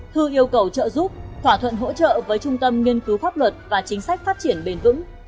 thư yêu cầu trợ giúp thỏa thuận hỗ trợ với trung tâm nghiên cứu pháp luật và chính sách phát triển bền vững